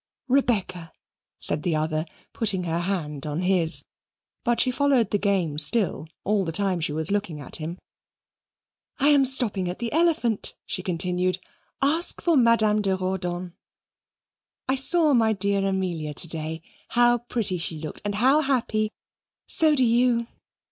"Rebecca," said the other, putting her hand on his; but she followed the game still, all the time she was looking at him. "I am stopping at the Elephant," she continued. "Ask for Madame de Raudon. I saw my dear Amelia to day; how pretty she looked, and how happy! So do you!